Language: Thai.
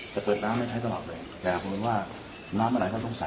จะเปิดน้ำไม่ใช้ตลอดเลยแต่บริเวณว่าน้ำไม่ไหลก็ต้องใส่